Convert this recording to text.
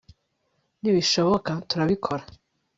nibishobo katurabikora